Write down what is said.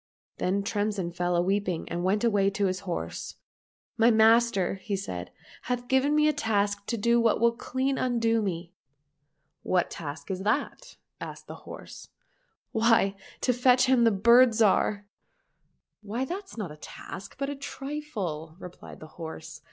— Then Tremsin fell a weeping and went away to his horse. " My master," said he, " hath given me a task to do that will clean undo me." —" What task is that ?" asked the horse. —" Why, to fetch him the Bird Zhar."— " Why that's not a task, but a trifle," replied the horse.